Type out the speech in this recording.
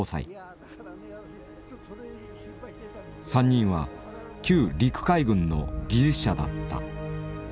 ３人は旧陸海軍の技術者だった。